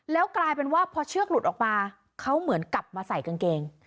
แล้วกลายเป็นว่าพอเชือกหลุดออกมาเขาเหมือนกลับมาใส่กางเกง